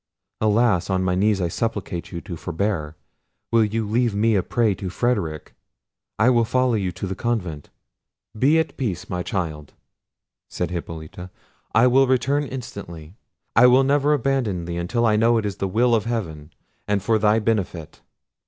Alas! on my knees I supplicate you to forbear; will you leave me a prey to Frederic? I will follow you to the convent." "Be at peace, my child," said Hippolita: "I will return instantly. I will never abandon thee, until I know it is the will of heaven, and for thy benefit."